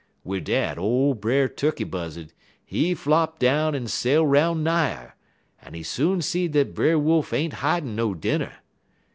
"Wid dat ole Brer Tukky Buzzud, he flop down en sail 'roun' nigher, en he soon see dat Brer Wolf ain't hidin' no dinner.